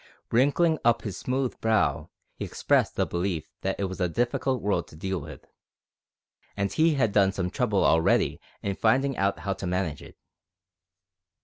Wrinkling up his smooth brow, he expressed the belief that it was a difficult world to deal with, and he had had some trouble already in finding out how to manage it.